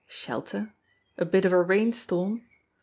Shelter! A bit of a rain storm!